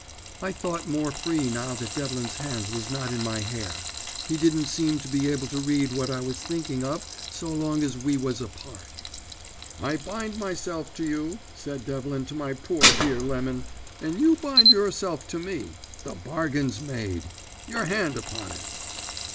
"I thought more free now that Devlin's hands was not in my hair; he didn't seem to be able to read what I was thinking of so long as we was apart. "'I bind myself to you,' said Devlin to my poor dear Lemon, 'and you bind yourself to me. The bargain's made. Your hand upon it.'